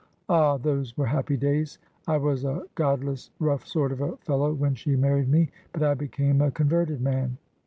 Ah, those were happy days! I was a godless, rough sort of a fellow when she married me, but I became a converted man.